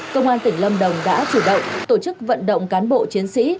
công an tỉnh lâm đồng đã chủ động tổ chức vận động cán bộ chiến sĩ